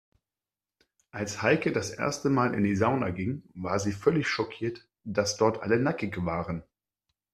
Als Heike das erste Mal in die Sauna ging, war sie völlig schockiert, dass dort alle nackig waren.